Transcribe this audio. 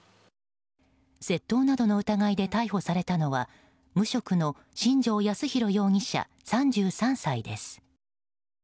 窃盗などの疑いで逮捕されたのは無職の新城康浩容疑者、３３歳です。